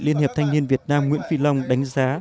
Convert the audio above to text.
liên hiệp thanh niên việt nam nguyễn phi long đánh giá